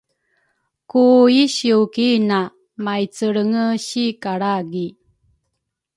Ku isiw ki ina maicelrenge si kalragi